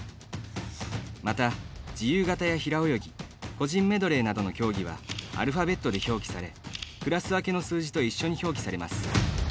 また、自由形や平泳ぎ個人メドレーなどの競技はアルファベットで表記されクラス分けの数字と一緒に表記されます。